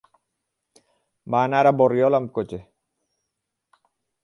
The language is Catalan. Va anar a Borriol amb cotxe.